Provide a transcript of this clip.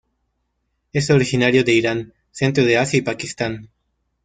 Es originario de Irán, centro de Asia y Pakistán.